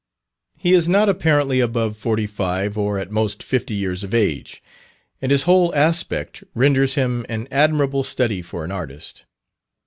He is not apparently above forty five, or at most fifty years of age, and his whole aspect renders him an admirable study for an artist.